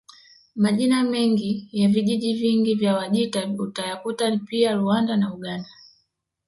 Majina mengi ya vijiji vingi vya Wajita utayakuta pia Rwanda na Uganda